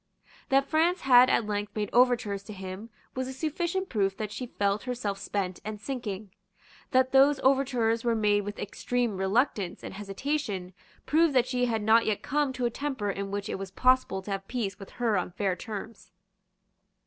That France had at length made overtures to him was a sufficient proof that she felt herself spent and sinking. That those overtures were made with extreme reluctance and hesitation proved that she had not yet come to a temper in which it was possible to have peace with her on fair terms.